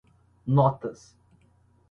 notas